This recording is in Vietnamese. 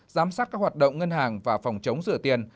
giám sát các hoạt động ngân hàng và phòng chống rửa tiền